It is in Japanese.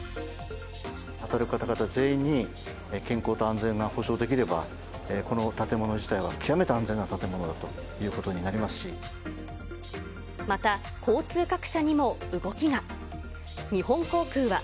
働く方々全員に健康と安全が保証できれば、この建物自体は極めて安全な建物だということになまた、交通各社にも動きが。